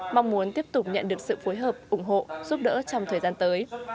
mong muốn tiếp tục nhận được sự phối hợp ủng hộ giúp đỡ trong thời gian tới